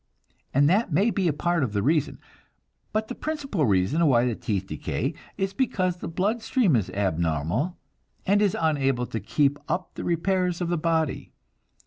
And that may be a part of the reason. But the principal reason why the teeth decay is because the blood stream is abnormal, and is unable to keep up the repairs of the body.